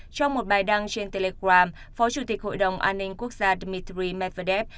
trong một bài đăng trên telegram phó chủ tịch hội đồng an ninh quốc gia dmitry medvedev